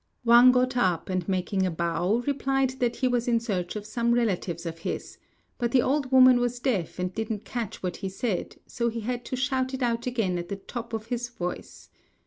Wang got up, and making a bow, replied that he was in search of some relatives of his; but the old woman was deaf and didn't catch what he said, so he had to shout it out again at the top of his voice.